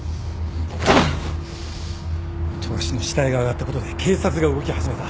富樫の死体があがったことで警察が動き始めた。